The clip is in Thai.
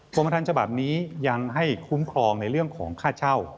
กรมฐานฉบับนี้ยังให้คุ้มครองในเรื่องของค่าเช่า